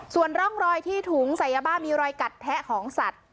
ส่วนร่องรอยที่ถุงใส่ยาบ้ามีรอยกัดแทะของสัตว์